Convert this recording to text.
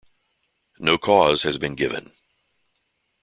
No cause has been given.